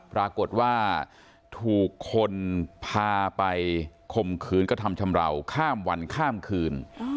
ปรากฏว่าถูกคนพาไปข่มขืนกระทำชำราวข้ามวันข้ามคืน